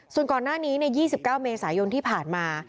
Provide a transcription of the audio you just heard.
ส่วนก่อนหน้านี้๒๙เมษายนที่ผ่านมา